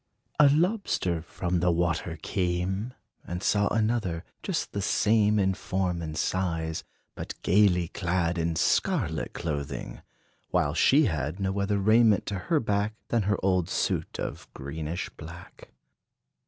A Lobster from the water came, And saw another, just the same In form and size; but gayly clad In scarlet clothing; while she had No other raiment to her back Than her old suit of greenish black.